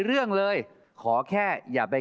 โปรดติดตามต่อไป